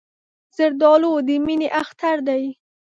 زردالو د مینې اختر دی.